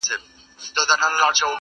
د ګل پر سیمه هر سبا راځمه -